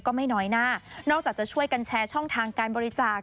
ก็ไม่น้อยหน้านอกจากจะช่วยกันแชร์ช่องทางการบริจาค